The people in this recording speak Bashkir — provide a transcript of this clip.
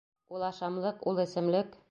Ул ашамлыҡ, ул эсемлек!